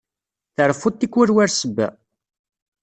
Treffuḍ tikkwal war ssebba?